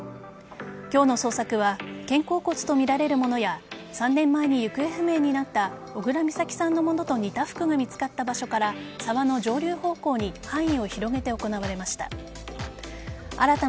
今日の捜索は肩甲骨とみられるものや３年前に行方不明になった小倉美咲さんのものと似た服が見つかった場所から沢の上流方向に範囲を広げて行われました。